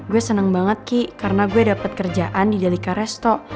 gue seneng banget ki karena gue dapet kerjaan di delika resto